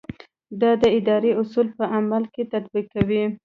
دا د ادارې اصول په عمل کې تطبیقوي.